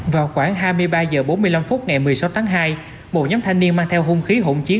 vào khoảng hai mươi ba h bốn mươi năm phút ngày một mươi sáu tháng hai một nhóm thanh niên mang theo hung khí hỗn chiến